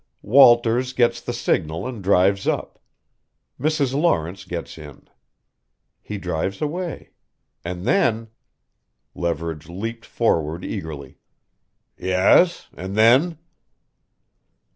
"Walters gets the signal and drives up. Mrs. Lawrence gets in. He drives away. And then " Leverage leaped forward eagerly: "Yes ?? and then?"